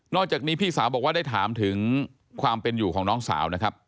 จากนี้พี่สาวบอกว่าได้ถามถึงความเป็นอยู่ของน้องสาวนะครับ